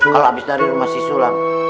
kalo abis dari rumah sisulam